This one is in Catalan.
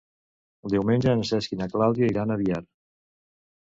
Diumenge en Cesc i na Clàudia iran a Biar.